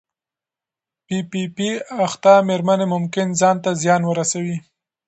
پی پي پي اخته مېرمنې ممکن ځان ته زیان ورسوي.